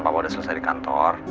papan papa udah selesai di kantor